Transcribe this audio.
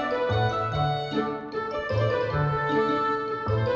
kepala gua nyut nyutan